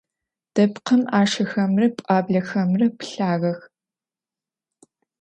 Дэпкъым ӏашэхэмрэ пӏуаблэхэмрэ пылъагъэх.